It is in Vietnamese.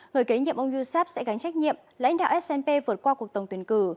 người kế nhiệm ông yousaf sẽ gánh trách nhiệm lãnh đạo snp vượt qua cuộc tổng tuyển cử